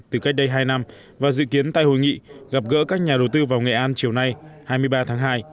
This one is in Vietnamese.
từ cách đây hai năm và dự kiến tại hội nghị gặp gỡ các nhà đầu tư vào nghệ an chiều nay hai mươi ba tháng hai